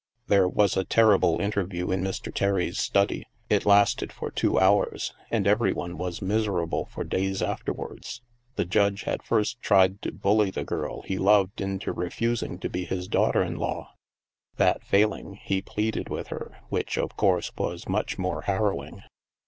There was a terrible interview in Mr. Terry's study. It lasted for two hours, and every one was miserable for days afterwards. The Judge had first tried 98 THE MASK to bully the girl he loved into refusing to be his daughter in law; that failing, he pleaded with her, which, of course, was much more harrowing.